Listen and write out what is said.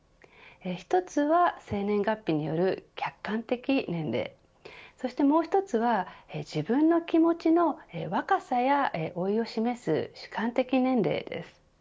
１つは生年月日による客観的年齢そしてもう１つは自分の気持ちの若さや老いを示す主観的年齢です。